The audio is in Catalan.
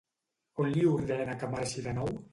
On li ordena que marxi de nou?